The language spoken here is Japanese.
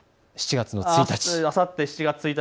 ７月の１日。